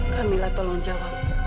kamilah tolong jawab